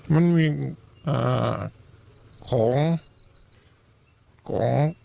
มันมีของ